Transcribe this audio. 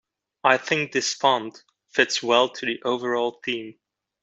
I think this font fits well to the overall theme.